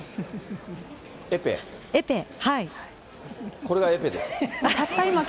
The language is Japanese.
エペ、これがエペです。